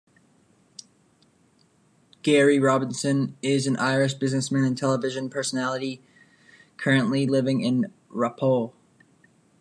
Gerry Robinson is an Irish businessman and television personality currently living in Raphoe.